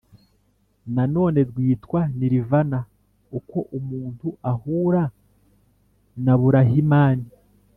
nanone rwitwa nirvana, uko umuntu ahura na burahimani,